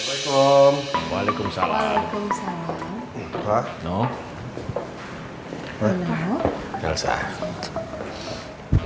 dan aku dalam posisi terjepit seperti andin